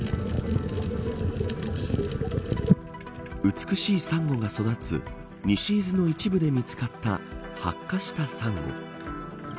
美しいサンゴが育つ西伊豆の一部で見つかった白化したサンゴ。